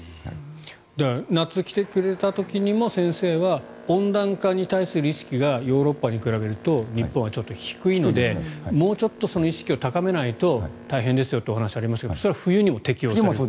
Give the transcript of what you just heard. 夏に来てくれた時にも先生は温暖化に対する意識がヨーロッパに比べると日本はちょっと低いのでもうちょっとその意識を高めないと大変ですよという話がありましたがそれは冬にも適用していると。